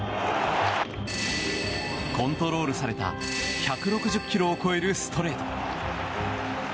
コントロールされた１６０キロを超えるストレート。